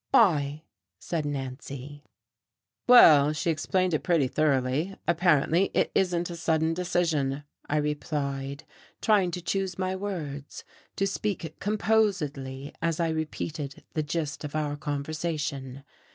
"Why?" said Nancy. "Well, she explained it pretty thoroughly. Apparently, it isn't a sudden decision," I replied, trying to choose my words, to speak composedly as I repeated the gist of our conversation.